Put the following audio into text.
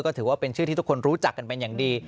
ก็ถือว่าเป็นชื่อที่ทุกคนรู้จักกันเป็นอย่างดี